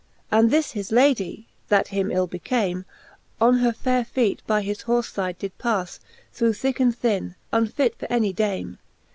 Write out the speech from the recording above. And this his Ladie, that him ill became. Or her faire feet by his horfe fide did pas Through thicke and thin, unfit for any Dame.